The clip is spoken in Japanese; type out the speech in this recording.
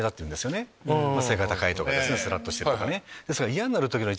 背が高いとかスラっとしてるとかね。